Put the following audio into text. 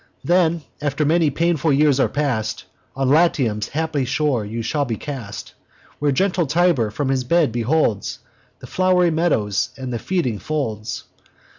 Then, after many painful years are past, On Latium's happy shore you shall be cast, Where gentle Tiber from his bed beholds The flow'ry meadows, and the feeding folds.